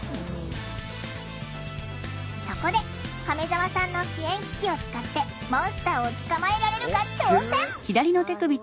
そこで亀澤さんの支援機器を使ってモンスターを捕まえられるか挑戦！